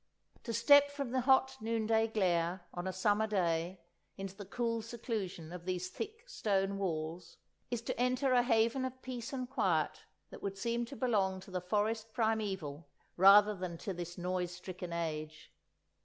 To step from the hot noonday glare, on a summer day, into the cool seclusion of these thick stone walls, is to enter a haven of peace and quiet that would seem to belong to the forest primeval rather than to this noise stricken age.